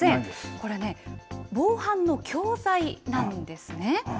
これね、防犯の教材なんですね。